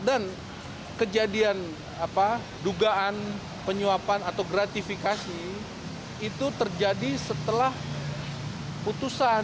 dan kejadian dugaan penyuapan atau gratifikasi itu terjadi setelah putusan